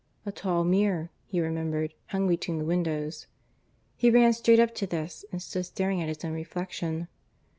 A tall mirror, he remembered, hung between the windows. He ran straight up to this and stood staring at his own reflection.